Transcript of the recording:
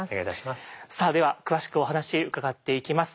さあでは詳しくお話伺っていきます。